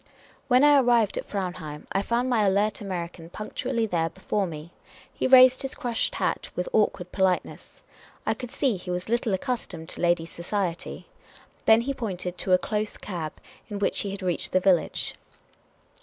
When I arrived at Fraunheim, I found my alert American punctually there before me. He raised his crushed hat with awkward politeness. I could see he was little accustomed to ladies' society. Then he pointed to a close cab in which he had reached the village.